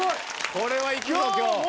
これはいくぞ今日。